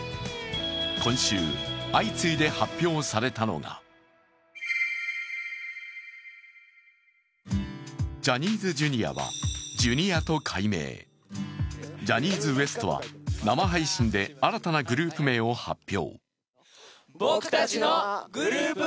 今週、相次いで発表されたのがジャニーズＪｒ．はジュニアと改名ジャニーズＷＥＳＴは生配信で新たなグループ名を発表。